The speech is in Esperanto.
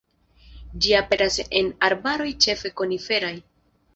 Ĝi aperas en arbaroj ĉefe koniferaj.